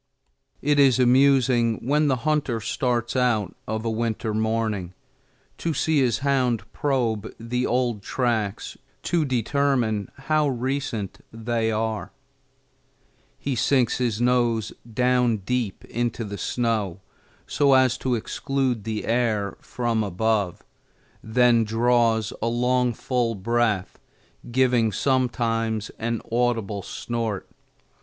It is amusing when the hunter starts out of a winter morning to see his hound probe the old tracks to determine how recent they are. He sinks his nose down deep in the snow so as to exclude the air from above, then draws a long full breath, giving sometimes an audible snort.